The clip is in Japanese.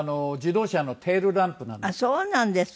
あっそうなんですか。